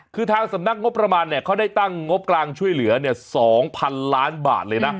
คือทางสำนักงบประมาณเขาได้ตั้งงบกลางช่วยเหลือ๒๐๐๐ล้านบาทเลยนะ